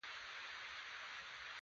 د ونې څخه به پاڼه هم نه پرې کوې.